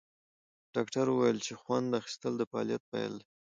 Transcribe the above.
ډاکټره وویل چې خوند اخیستل د فعالیت پیل دی.